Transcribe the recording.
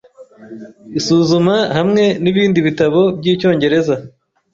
Isuzuma hamwe nibindi bitabo byicyongereza